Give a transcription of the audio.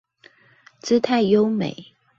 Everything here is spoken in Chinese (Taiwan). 姿態優美